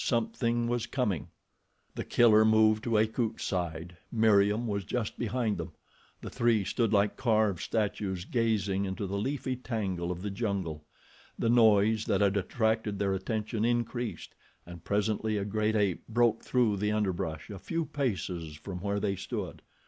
Something was coming! The Killer moved to Akut's side. Meriem was just behind them. The three stood like carved statues gazing into the leafy tangle of the jungle. The noise that had attracted their attention increased, and presently a great ape broke through the underbrush a few paces from where they stood.